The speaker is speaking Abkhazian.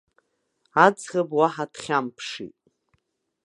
Аӡӷаб уаҳа дхьамԥшит.